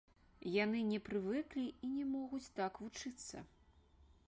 Яны не прывыклі і не могуць так вучыцца.